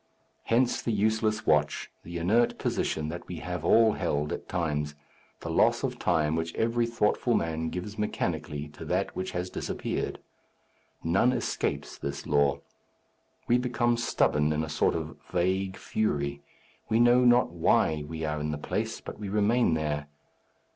Hence the useless watch, the inert position that we have all held at times, the loss of time which every thoughtful man gives mechanically to that which has disappeared. None escapes this law. We become stubborn in a sort of vague fury. We know not why we are in the place, but we remain there.